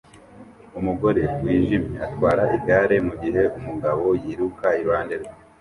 Umugore wijimye atwara igare mugihe umugabo yiruka iruhande rwe